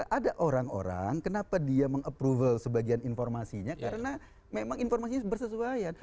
ada orang orang kenapa dia meng approval sebagian informasinya karena memang informasinya bersesuaian